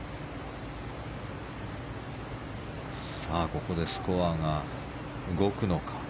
ここでスコアが動くのか。